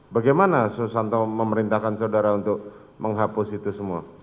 bagaimana susanto memerintahkan saudara untuk menghapus itu semua